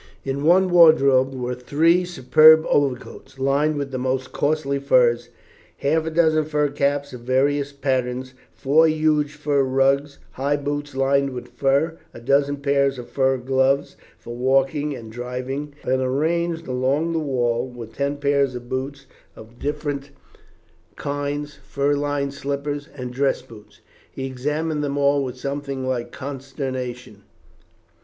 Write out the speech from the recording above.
In one wardrobe were three superb overcoats, lined with the most costly furs, half a dozen fur caps of various patterns, four huge fur rugs, high boots lined with fur, a dozen pairs of fur gloves for walking and driving; and arranged along the wall were ten pairs of boots of different kinds, fur lined slippers, and dress boots. He examined them all with something like consternation.